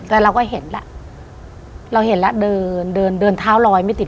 แต่เราก็เห็นแล้ว